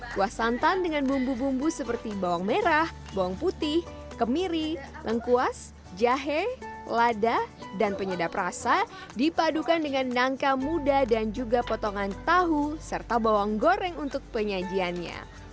kuah santan dengan bumbu bumbu seperti bawang merah bawang putih kemiri lengkuas jahe lada dan penyedap rasa dipadukan dengan nangka muda dan juga potongan tahu serta bawang goreng untuk penyajiannya